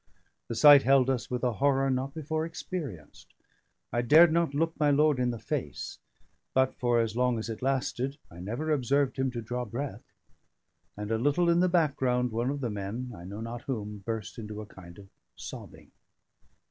The sight held us with a horror not before experienced. I dared not look my lord in the face; but for as long as it lasted, I never observed him to draw breath; and a little in the background one of the men (I know not whom) burst into a kind of sobbing.